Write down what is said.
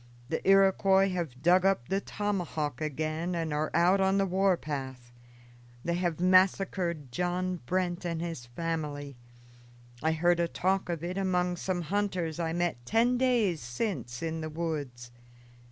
"The Iroquois have dug up the tomahawk again and are out on the war path. They have massacred John Brent and his family. I heard a talk of it among some hunters I met ten days since in the woods.